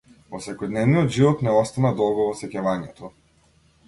Во секојдневниот живот не остана долго во сеќавањето.